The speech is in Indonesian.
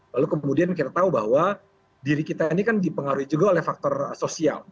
lalu kemudian kita tahu bahwa diri kita ini kan dipengaruhi juga oleh faktor sosial